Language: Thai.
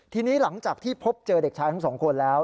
ทีนี้หลังจากที่พบเจอเด็กชายทั้งสองคนแล้ว